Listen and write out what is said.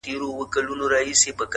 چي هغه زه له خياله وباسمه ـ